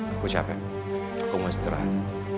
aku siapa aku mau istirahat